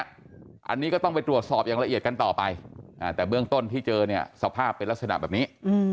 อันนี้ก็ต้องไปตรวจสอบอย่างละเอียดกันต่อไปแต่เบื้องต้นที่เจอเนี่ยสภาพเป็นลักษณะแบบนี้